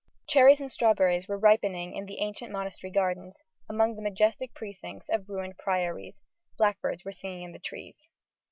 Cherries and strawberries were ripening in the ancient monastery gardens, among the majestic precincts of ruined priories: blackbirds were singing in the trees.